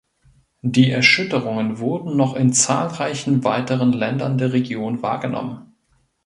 Die Erschütterungen wurden noch in zahlreichen weiteren Ländern der Region wahrgenommen.